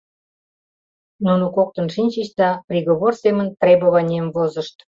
Нуно коктын шинчыч да приговор семын требованийым возышт.